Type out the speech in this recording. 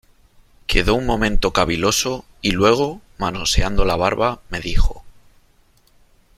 quedó un momento caviloso , y luego , manoseando la barba , me dijo :